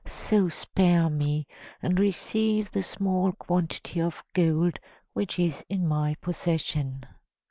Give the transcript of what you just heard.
So spare me, and receive the small quantity of gold which is in my possession."